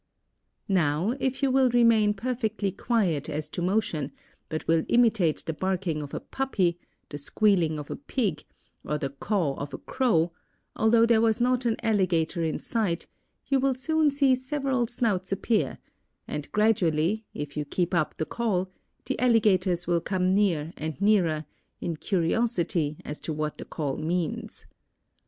Now, if you will remain perfectly quiet as to motion, but will imitate the barking of a puppy, the squealing of a pig, or the caw of a crow, although there was not an alligator in sight, you will soon see several snouts appear, and gradually, if you keep up the call, the alligators will come near and nearer, in curiosity as to what the call means.